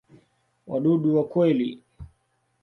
Wadudu wa kweli.